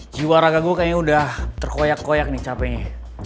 jiwa raga gue kayaknya udah terkoyak koyak nih capeknya